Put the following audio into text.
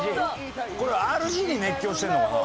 「これＲＧに熱狂してるのかな？」